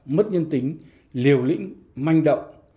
mất nhân tính liều lĩnh manh động